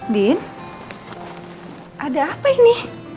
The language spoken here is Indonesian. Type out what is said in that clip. din ada apa ini